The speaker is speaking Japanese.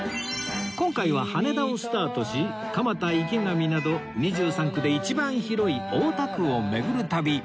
今回は羽田をスタートし蒲田池上など２３区で一番広い大田区を巡る旅